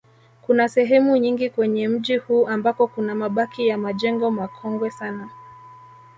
Kuna sehemu nyingi kwenye mji huu ambako kuna mabaki ya majengo makongwe sana